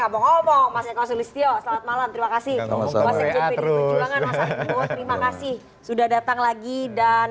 ngomong ngomong mas eko sulistyo selamat malam terima kasih terima kasih sudah datang lagi dan